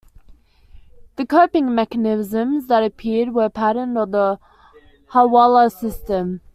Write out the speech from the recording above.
The coping mechanisms that appeared were patterned on the hawala system.